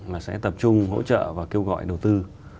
mà sẽ tập trung hỗ trợ và kêu gọi đầu tư